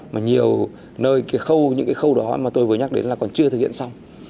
mà nhiều nơi những cái khâu đó mà tôi vừa nhắc đến là còn chưa thực hiện xong